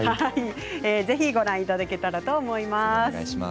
ぜひご覧いただけたらと思います。